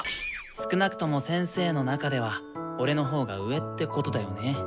少なくとも先生の中では俺のほうが上ってことだよね。